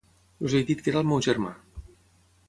Els he dit que era el meu germà.